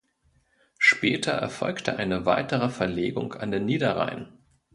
Später erfolgte eine weitere Verlegung an den Niederrhein.